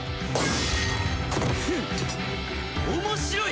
フッ面白い！